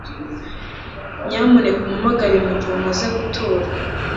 Nyamuneka umpamagare mugihe umaze gutura